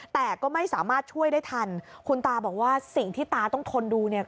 แต่ก็ไม่สามารถช่วยได้ทันคุณตาบอกว่าสิ่งที่ตาต้องทนดูเนี่ย